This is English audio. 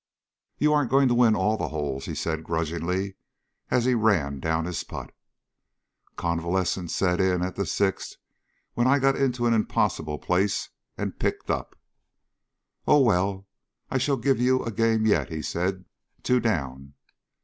"You aren't going to win all the holes," he said grudgingly, as he ran down his putt. Convalescence set in at the sixth when I got into an impossible place and picked up. "Oh, well, I shall give you a game yet," he said. "Two down."